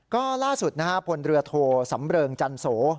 ก็ล่าสุดนะฮะพลเรือโทสำเริงจันโส